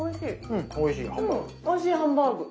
うんおいしいハンバーグ。